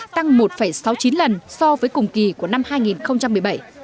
tăng một sáu mươi chín lần so với cùng kỳ của năm hai nghìn một mươi bảy